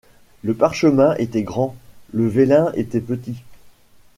Le parchemin était grand, le vélin était petit.